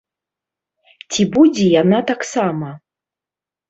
Ці будзе яна таксама?